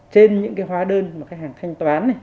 trên những cái hóa đơn mà khách hàng thanh toán này